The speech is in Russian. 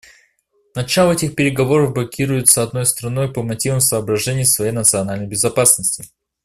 Начало этих переговоров блокируется одной страной по мотивам соображений своей национальной безопасности.